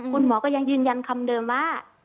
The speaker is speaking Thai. คุณหมอก็ยังยืนยันคำเดิมว่า